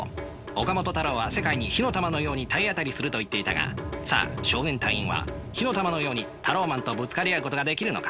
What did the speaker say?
岡本太郎は世界に火の玉のように体当たりすると言っていたがさあ少年隊員は火の玉のようにタローマンとぶつかり合うことができるのか？